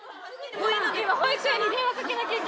保育園に電話かけなきゃいけ